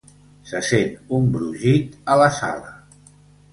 Se sent un brogit a la sala.